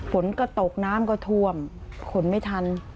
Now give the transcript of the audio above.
ฝนก็ตกน้ำก็ท่วมขนไม่ทัน